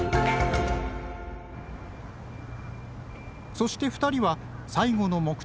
そして２人は最後の目的地